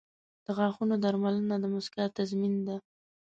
• د غاښونو درملنه د مسکا تضمین ده.